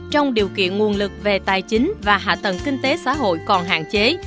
trong điều kiện nguồn lực về tài chính và hạ tầng kinh tế xã hội còn hạn chế